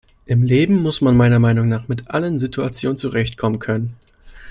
Im Leben muss man meiner Meinung nach in allen Situationen zurechtkommen können.